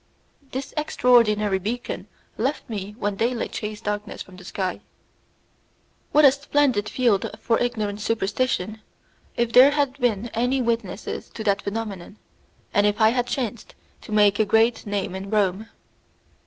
This extraordinary beacon left me when daylight chased darkness from the sky. What a splendid field for ignorant superstition, if there had been any witnesses to that phenomenon, and if I had chanced to make a great name in Rome!